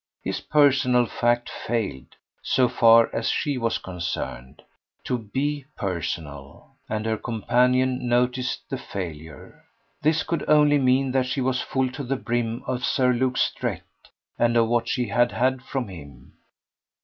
His personal fact failed, so far as she was concerned, to BE personal, and her companion noticed the failure. This could only mean that she was full to the brim of Sir Luke Strett and of what she had had from him.